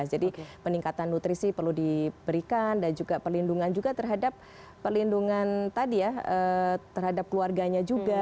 jadi peningkatan nutrisi perlu diberikan dan juga perlindungan juga terhadap perlindungan tadi ya terhadap keluarganya juga